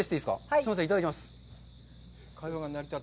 すいません、いただきます。